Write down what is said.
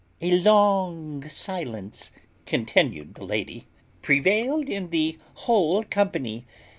A long silence, continued the lady, prevailed in the whole company.